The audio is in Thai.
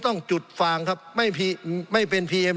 สงบจนจะตายหมดแล้วครับ